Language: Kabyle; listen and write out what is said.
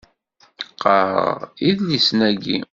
Qqaṛeɣ idlisen-agi.